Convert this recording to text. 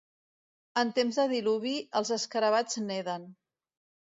En temps de diluvi, els escarabats neden.